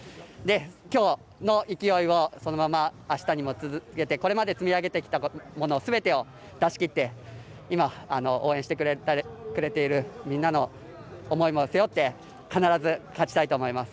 今日の勢いをそのまま、あしたにも続けてこれまで積み上げてきたものすべてを出し切って今、応援してくれているみんなの思いも背負って必ず勝ちたいと思います。